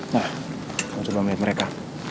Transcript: nah kamu coba lihat mereka